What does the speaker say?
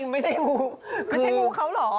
ไม่ใช่งูเขาหรอ